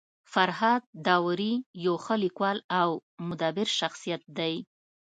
فرهاد داوري يو ښه لیکوال او مدبر شخصيت دی.